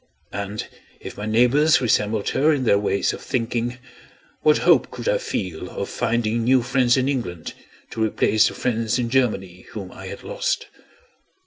And, if my neighbors resembled her in their ways of thinking, what hope could I feel of finding new friends in England to replace the friends in Germany whom I had lost?